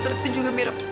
surat itu juga